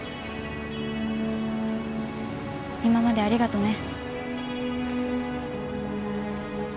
今までありがとね。